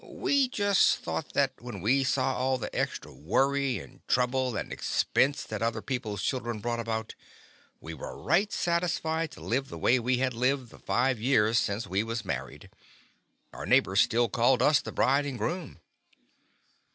We just thought that when we saw all the extra worry and trouble and expense that other peo ple's children brought about, we were right satisfied to live the way we had lived the five years since we was mar ried — our neighbors still called us the "Bride and Groom."